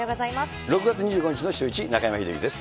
６月２５日のシューイチ、中山秀征です。